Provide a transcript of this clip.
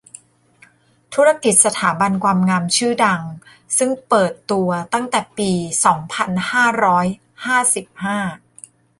ธุรกิจสถาบันความงามชื่อดัง ซึ่งเปิดตัวตั้งแต่ปี สองพันห้าร้อยห้าสิบห้า